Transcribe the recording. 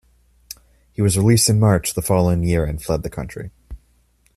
He was released in March the following year and fled the country.